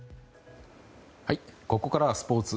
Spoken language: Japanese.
ここからはスポーツ。